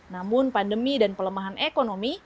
namun pandemi dan pelemahan ekonomi